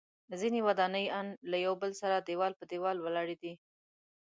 ځینې ودانۍ ان له یو بل سره دیوال په دیوال ولاړې دي.